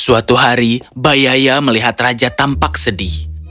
suatu hari bayaya melihat raja tampak sedih